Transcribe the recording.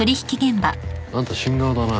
あんた新顔だな